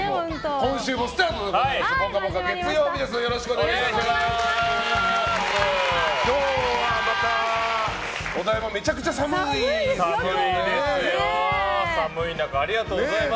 今週もスタートでございます。